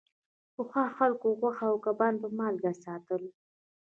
پخوا خلکو غوښه او کبان په مالګه ساتل.